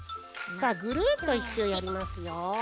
さあぐるっと１しゅうやりますよ。